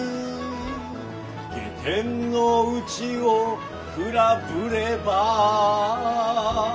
「下天のうちをくらぶれば」